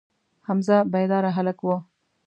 حمزه بیداره هلک و.